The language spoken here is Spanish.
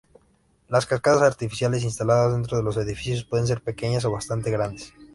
Las cascadas artificiales instaladas dentro de los edificios pueden ser pequeñas o bastante grandes.